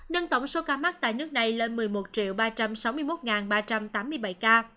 nâng tổng số ca mắc tại nước này lên một mươi một ba trăm sáu mươi một ba trăm tám mươi bảy ca